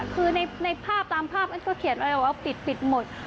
คือในภาพตามภาพก็เขียนว่าปิดหมด